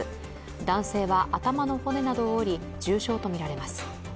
男性は頭の骨などを折り重傷とみられます。